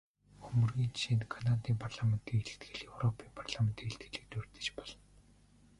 Хөмрөгийн жишээнд Канадын парламентын илтгэл, европын парламентын илтгэлийг дурдаж болно.